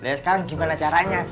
ya sekarang gimana caranya